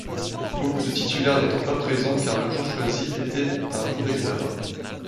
Beaucoup de titulaires n’étant pas présents car le jour choisi était un jour d’examens.